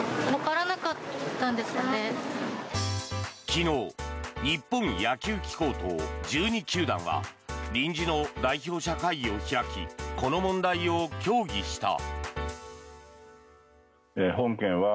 昨日日本野球機構と１２球団は臨時の代表者会議を開きこの問題を協議した。